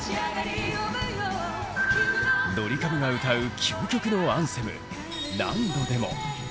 ドリカムが歌う究極のアンセム「何度でも」。